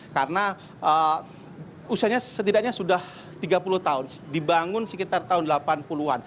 karena usianya setidaknya sudah tiga puluh tahun dibangun sekitar tahun delapan puluh an